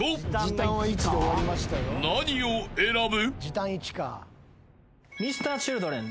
［何を選ぶ？］